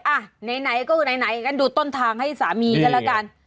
อะไหนก็ไหนดูต้นทางให้สามีกันละกัน